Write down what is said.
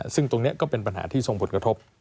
ซึ่งตรงนี้ก็เป็นปัญหาที่ส่งผลกระทบ